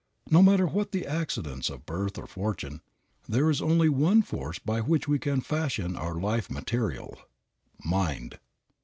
No matter what the accidents of birth or fortune, there is only one force by which we can fashion our life material mind.